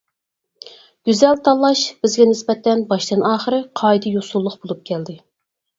«گۈزەل تاللاش» بىزگە نىسبەتەن باشتىن-ئاخىر قائىدە-يوسۇنلۇق بولۇپ كەلدى.